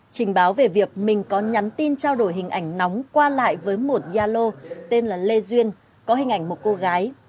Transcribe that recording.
trình báo về việc mình có nhắn tin trao đổi hình ảnh nóng qua lại với một yalo tên là lê duyên có hình ảnh một cô gái